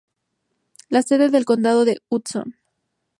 La sede del condado es Hudson.